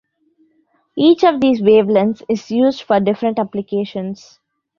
Each of these wavelengths is used for different applications.